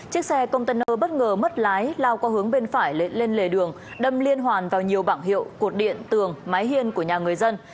chiếc xe container bất ngờ mất lái lao qua hướng bên phải lên lề đường đâm liên hoàn vào nhiều bảng hiệu cột điện tường mái hiên của nhà người dân